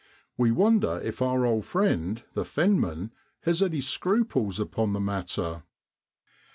We wonder if our old friend, the fenman, has any scruples upon the matter